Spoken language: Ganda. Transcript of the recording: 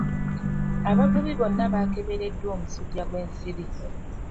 Abavubi bonna baakebereddwa omusujja gw'ensiri.